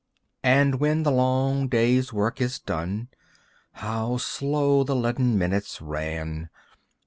And when the long day's work is done, (How slow the leaden minutes ran!)